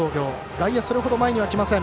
外野、それほど前にはきません。